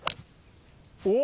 お！